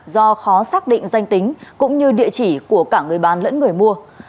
do khó xác định danh tính cũng như địa chỉ của cả người bán lẫn người mua